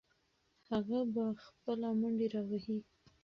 هغه به خپله منډې راوهي.